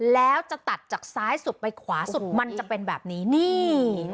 แล้วจะตัดจากซ้ายสุดไปขวาสุดมันจะเป็นแบบนี้นี่